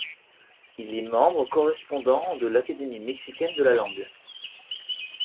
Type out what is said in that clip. Il est membre correspondant de l'Académie mexicaine de la langue.